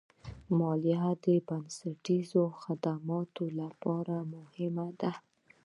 مالیه د بنسټیزو خدماتو لپاره مهمه ده.